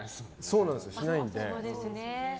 そうなんです、しないので。